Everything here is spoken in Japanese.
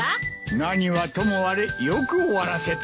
何はともあれよく終わらせた。